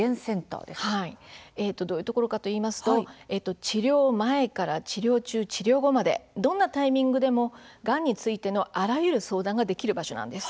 どういうところかといいますと治療前から治療中、治療後までどんなタイミングでもがんについてのあらゆる相談ができる場所なんです。